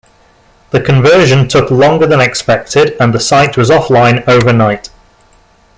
The conversion took longer than expected and the site was offline overnight.